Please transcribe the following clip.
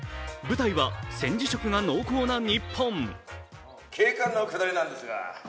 舞台は戦時色が濃厚な日本。